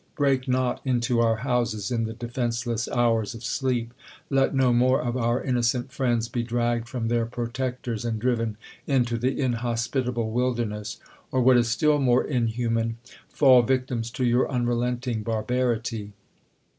Break not into our houses in the de fenceless hours of sleep. Let no more of our inno cent friends be dragged from their protectors, and driven into the intiospitablc wilderness ; or what is still more inhuman, full victims to your unrelenting barbarity